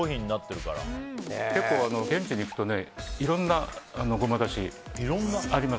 結構、現地に行くといろんなごまだしがあります。